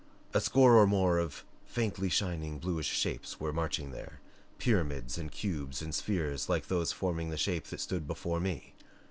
A score or more of faintly shining, bluish shapes were marching there pyramids and cubes and spheres like those forming the shape that stood before me.